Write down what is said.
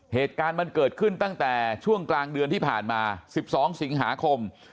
เหตุการณ์มันเกิดขึ้นตั้งแต่ช่วงกลางเดือนที่ผ่านมา๑๒สิงหาคม